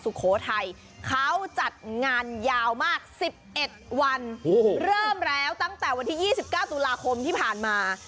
สุโขทัยเขาจัดงานยาวมาก๑๑วันเริ่มแล้วตั้งแต่วันที่๒๙ตุลาคมที่ผ่านมา